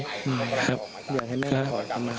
อยากให้แม่ก่อเข้ามา